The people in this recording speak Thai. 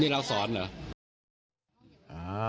นี่เราสอนเหรอ